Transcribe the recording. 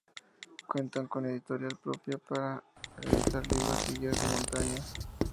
Cuentan con editorial propia para editar libros y guías de montaña.